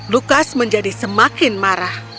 lukas menjadi semakin marah